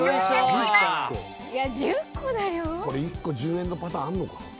これ１個１０円のパターンあんのか？